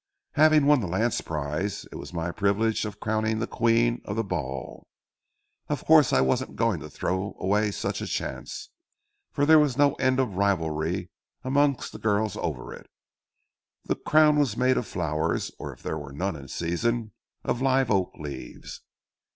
Having won the lance prize, it was my privilege of crowning the 'queen' of the ball. Of course I wasn't going to throw away such a chance, for there was no end of rivalry amongst the girls over it. The crown was made of flowers, or if there were none in season, of live oak leaves.